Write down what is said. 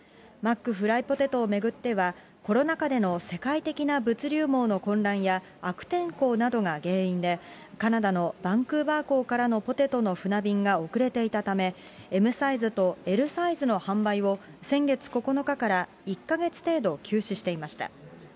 マックフライポテトを巡っては、コロナ禍での世界的な物流網の混乱や、悪天候などが原因で、カナダのバンクーバー港からのポテトの船便が遅れていたため、ＭサイズとＬサイズの販売を先月９日から１か月程度休止していました。